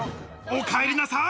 おかえりなさい。